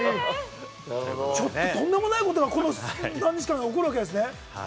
とんでもないことがこの何日間かで起こるわけですね。